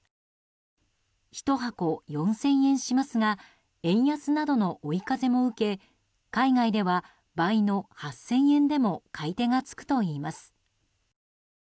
１箱４０００円しますが円安などの追い風も受け海外では倍の８０００円でも買い手がつくといいます。